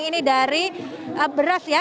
ini dari beras ya